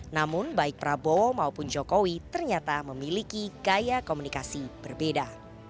namun baik prabowo maupun jokowi ternyata memiliki gaya komunikasi berbeda